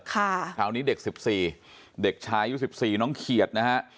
คราวนี้เด็ก๑๔เด็กชายอายุ๑๔น้องเขียดนะฮะ